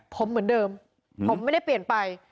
ผมเหมือนเดิมผมไม่ได้เปลี่ยนไป